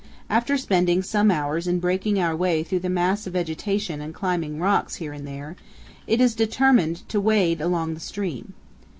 After spending some hours in breaking our way through the mass of vegetation and climbing rocks here and there, it is determined to wade along the stream.